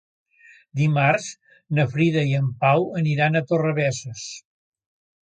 Dimarts na Frida i en Pau aniran a Torrebesses.